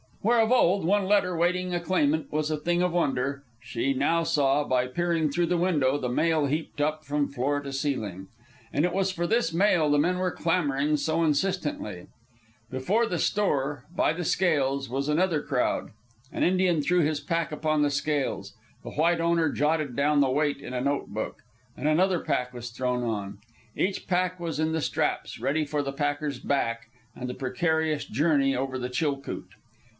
Where of old one letter waiting a claimant was a thing of wonder, she now saw, by peering through the window, the mail heaped up from floor to ceiling. And it was for this mail the men were clamoring so insistently. Before the store, by the scales, was another crowd. An Indian threw his pack upon the scales, the white owner jotted down the weight in a note book, and another pack was thrown on. Each pack was in the straps, ready for the packer's back and the precarious journey over the Chilcoot.